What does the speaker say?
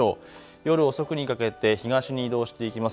夜遅くにかけて東に移動していきます。